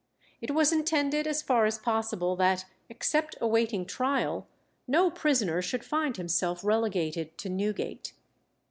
It was intended as far as possible that, except awaiting trial, no prisoner should find himself relegated to Newgate.